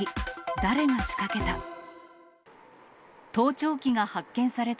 誰が仕掛けた？